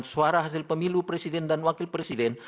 suara hasil pemilu presiden dan wakil presiden